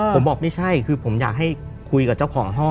ผมบอกไม่ใช่คือผมอยากให้คุยกับเจ้าของห้อง